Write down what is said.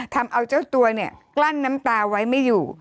ทำเอาเจ้าตัวเนี่ยกลั้นน้ำตาไว้ไม่อยู่